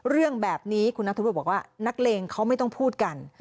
เรื่องแบบนี้คุณนัทธวุฒิบอกว่านักเลงเขาไม่ต้องพูดกัน